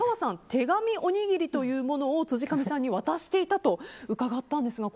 手紙おにぎりというものを辻上さんに渡していたと伺ったんですが。